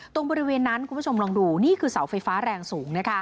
ตรงบริเวณนั้นคุณผู้ชมลองดูนี่คือเสาไฟฟ้าแรงสูง